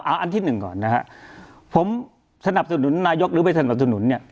เอาอันที่หนึ่งก่อนนะฮะผมสนับสนุนนายกหรือไปสนับสนุนเนี่ย